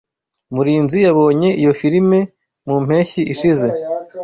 Murinzi yabonye iyo firime mu mpeshyi ishize.